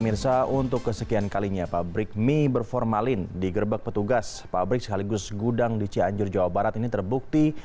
mirsa untuk kesekian kalinya pabrik mie berformalin di gerbek petugas pabrik sekaligus gudang di cianjur jawa barat ini terbukti